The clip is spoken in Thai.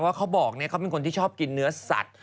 เขาบอกเขาเป็นคนที่ชอบกินเนื้อสัตว์